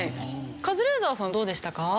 カズレーザーさんどうでしたか？